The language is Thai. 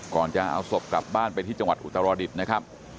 ก่อนจะเอาศพกลับบ้านไปที่จังหวัดอุตรดิษฐ์นะครับ